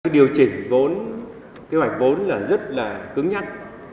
điều chỉnh vốn kế hoạch vốn là rất là cứng nhắc